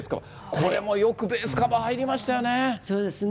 これもよくベースカバー、入りまそうですね。